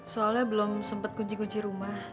soalnya belum sempat kunci kunci rumah